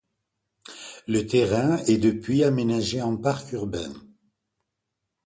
Le terrain est depuis aménagé en parc urbain.